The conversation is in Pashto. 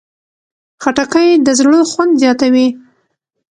خټکی د زړه خوند زیاتوي.